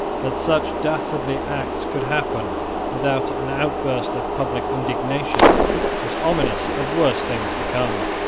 That such dastardly acts could happen without an outburst of public indignation was ominous of worse things to come.